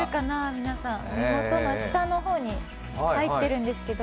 皆さん、目元が、下の方に入ってるんですけど。